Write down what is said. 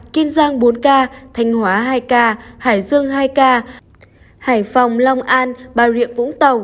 kiên giang bốn ca thanh hóa hai ca hải dương hai ca hải phòng long an bà rịa vũng tàu